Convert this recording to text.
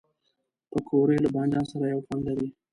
پکورې له بادنجان سره یو خوند لري